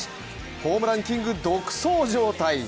ホームランキング独走状態。